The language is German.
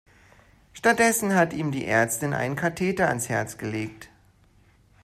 Stattdessen hat die ihm Ärztin einen Katheter ans Herz gelegt.